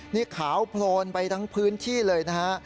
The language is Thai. นี่ขาวโพลนไปทั้งพื้นที่เลยนะฮะ